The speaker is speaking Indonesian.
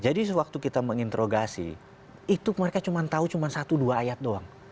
jadi sewaktu kita menginterogasi itu mereka cuma tahu cuma satu dua ayat doang